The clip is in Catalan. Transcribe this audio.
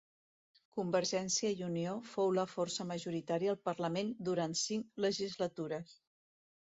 Convergència i Unió fou la força majoritària al Parlament durant cinc legislatures.